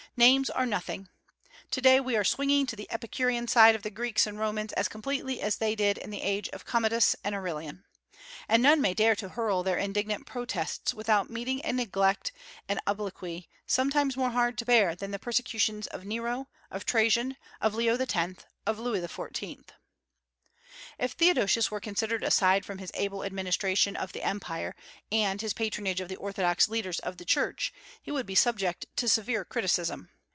Names are nothing. To day we are swinging to the Epicurean side of the Greeks and Romans as completely as they did in the age of Commodus and Aurelian; and none may dare to hurl their indignant protests without meeting a neglect and obloquy sometimes more hard to bear than the persecutions of Nero, of Trajan, of Leo X., of Louis XIV. If Theodosius were considered aside from his able administration of the Empire and his patronage of the orthodox leaders of the Church, he would be subject to severe criticism.